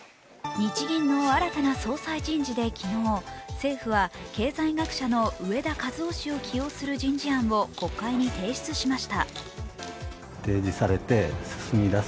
日銀の新たな総裁人事で昨日、政府は経済学者の植田和男氏を起用する人事案を国会に提出しました。